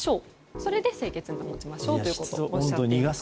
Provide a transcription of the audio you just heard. それで清潔に保ちましょうとおっしゃっていました。